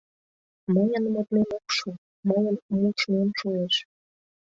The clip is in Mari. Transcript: — Мыйын модмем ок шу, мыйын мушмем шуэш!